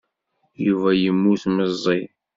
Yuba yemmut meẓẓi.